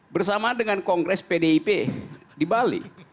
bersama dengan kongres pdip di bali